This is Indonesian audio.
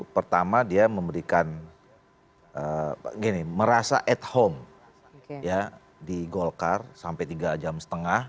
pertama dia memberikan gini merasa at home di golkar sampai tiga jam setengah